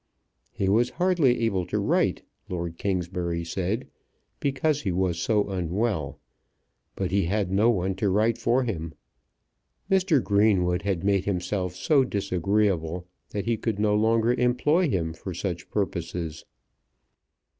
He was hardly able to write, Lord Kingsbury said, because he was so unwell; but he had no one to write for him. Mr. Greenwood had made himself so disagreeable that he could no longer employ him for such purposes.